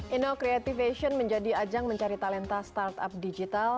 inno creativation menjadi ajang mencari talenta startup digital